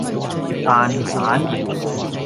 蛋散